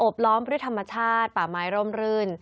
ล้อมด้วยธรรมชาติป่าไม้ร่มรื่น